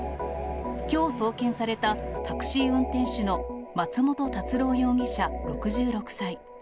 きょう送検されたタクシー運転手の松元辰郎容疑者６６歳。